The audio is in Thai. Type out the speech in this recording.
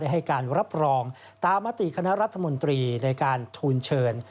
ให้การรับรองตามมติคณะรัฐมนตรีในการทูลเชิญ